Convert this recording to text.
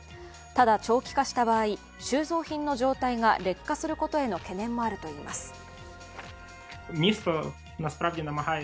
ただ、長期化した場合収蔵品の状態が劣化することへの懸念もあるといいます。